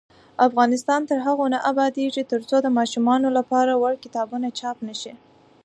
افغانستان تر هغو نه ابادیږي، ترڅو د ماشومانو لپاره وړ کتابونه چاپ نشي.